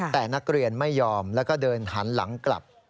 แต่นักเรียนไม่ยอมแล้วก็เดินหันหลังกลับ